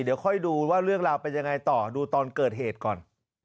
เดี๋ยวค่อยดูว่าเรื่องราวเป็นยังไงต่อดูตอนเกิดเหตุก่อน